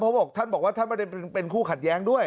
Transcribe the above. เพราะท่านบอกว่าท่านมาเป็นคู่ขัดแย้งด้วย